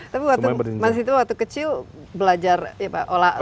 tapi mas tito waktu kecil belajar ya pak olahraga